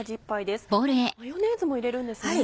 マヨネーズも入れるんですね。